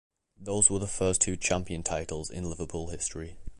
Those were the first two champion titles in Liverpool history.